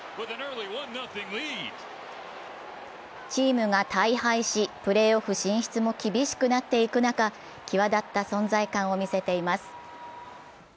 チームが大敗しプレーオフ進出も厳しくなった中、際だった存在感を見せています。